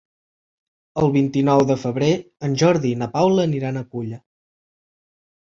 El vint-i-nou de febrer en Jordi i na Paula aniran a Culla.